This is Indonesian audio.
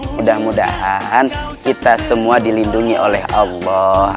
mudah mudahan kita semua dilindungi oleh allah